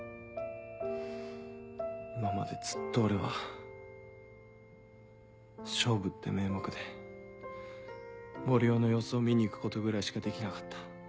今までずっと俺は「勝負」って名目で森生の様子を見に行くことぐらいしかできなかった。